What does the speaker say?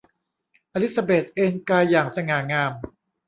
อลิซาเบธเอนกายอย่าสง่างาม